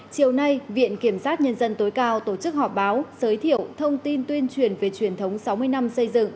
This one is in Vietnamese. chiều nay viện kiểm sát nhân dân tối cao tổ chức họp báo giới thiệu thông tin tuyên truyền về truyền thống sáu mươi năm xây dựng